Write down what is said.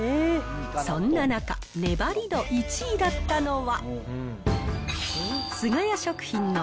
そんな中、粘り度１位だったのは。